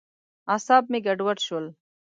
اعصاب مې ګډوډ شول.